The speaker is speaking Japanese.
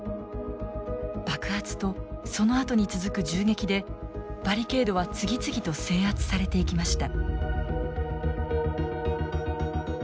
爆発とそのあとに続く銃撃でバリケードは次々と制圧されていきました。